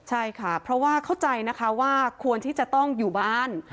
ใช่ค่ะเพราะว่าเข้าใจนะคะว่าควรที่จะต้องอยู่บ้าน